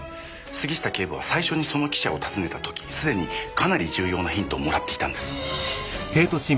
杉下警部は最初にその記者を訪ねた時既にかなり重要なヒントをもらっていたんです。